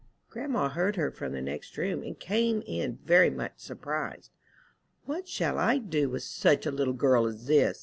Grandma heard her from the next room, and came in very much surprised. "What shall I do with such a little girl as this?"